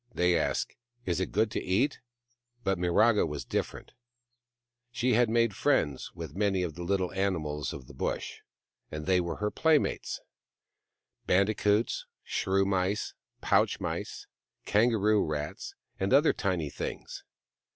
They ask, " Is it good to eat ?" But Miraga was different . She had made friends with many of the little animals of the Bush, and they were her playmates : bandicoots, shrew mice, pouch mice, kangaroo rats, and other tiny things.